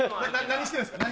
何してるんですか？